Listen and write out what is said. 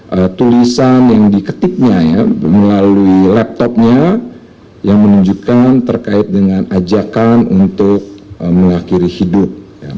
ada tulisan yang diketiknya ya melalui laptopnya yang menunjukkan terkait dengan ajakan untuk mengakhiri hidup